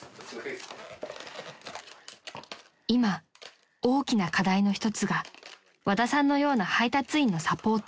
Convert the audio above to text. ［今大きな課題の一つが和田さんのような配達員のサポート］